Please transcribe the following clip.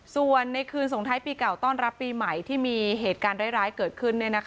ส่วนในคืนสงท้ายปีเก่าต้อนรับปีใหม่ที่มีเหตุการณ์ร้ายเกิดขึ้น